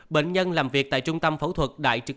bệnh nhân làm việc tại trung tâm phẫu thuật đại trực